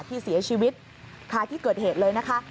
ที่เสียชีวิตคาที่เกิดเหตุเลยนะคะ